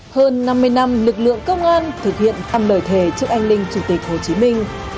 hơn năm mươi năm lực lượng công an thực hiện ăn lời thề trước anh linh chủ tịch hồ chí minh